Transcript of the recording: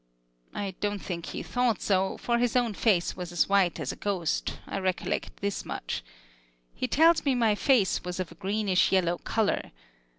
I don't think he thought so, for his own face was as white as a ghost; I recollect this much. He tells me my face was of a greenish yellow color.